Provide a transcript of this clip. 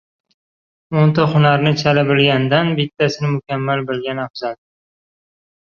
• O‘nta hunarni chala bilgandan bittasini mukammal bilgan afzal.